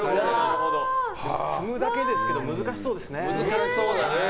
積むだけですけど難しそうですね。